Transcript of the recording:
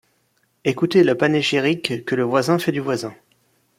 Écoutez le panégyrique que le voisin fait du voisin.